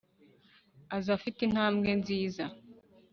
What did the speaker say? Aza afite intambwe nziza